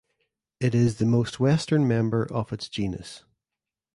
It is the most western member of its genus.